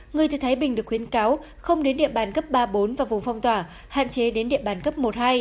người từ thái bình được khuyến cáo không đến địa bàn cấp ba bốn và vùng phong tỏa hạn chế đến địa bàn cấp một hai